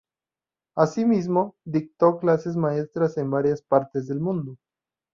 Asimismo, dictó clases maestras en varias partes del mundo.